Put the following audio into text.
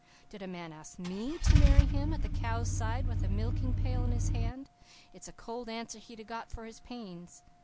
Did a man ask ME to marry him at the cow's side with a milking pail in my hand, it's a cold answer he'd get for his pains.